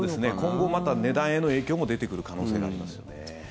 今後また値段への影響も出てくる可能性がありますよね。